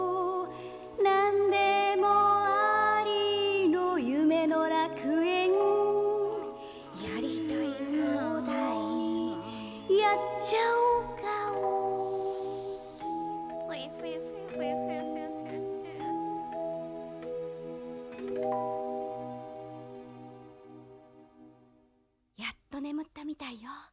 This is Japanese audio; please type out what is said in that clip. なんでもありのゆめのらくえんやりたいほうだいやっちゃおがおやっとねむったみたいよ。